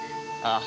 ああ。